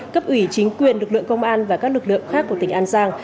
cấp ủy chính quyền lực lượng công an và các lực lượng khác của tỉnh an giang